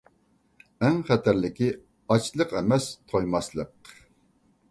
ئەڭ خەتەرلىكى ئاچلىق ئەمەس، تويماسلىق!